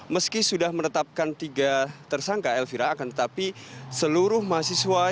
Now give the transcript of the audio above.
meski sudah menetapkan tiga tersangka elvira akan tetapi seluruh mahasiswa